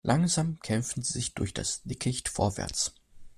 Langsam kämpften sie sich durch das Dickicht vorwärts.